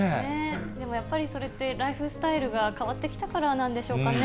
でもやっぱりそれって、ライフスタイルが変わってきたからなんでしょうかね。